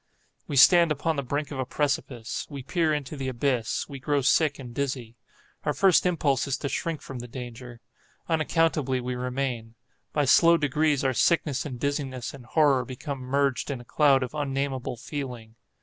We stand upon the brink of a precipice. We peer into the abyss—we grow sick and dizzy. Our first impulse is to shrink from the danger. Unaccountably we remain. By slow degrees our sickness and dizziness and horror become merged in a cloud of unnamable feeling.